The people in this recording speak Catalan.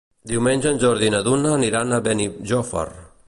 Diumenge en Jordi i na Duna aniran a Benijòfar.